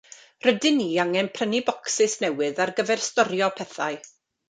Rydyn ni angen prynu bocsys newydd ar gyfer storio pethau.